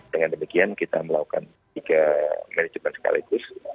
dengan demikian kita melakukan tiga manajemen sekaligus